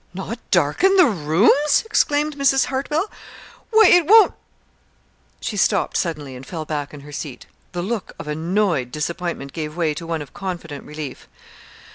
"Not darken the rooms!" exclaimed Mrs. Hartwell. "Why, it won't " She stopped suddenly, and fell back in her seat. The look of annoyed disappointment gave way to one of confident relief.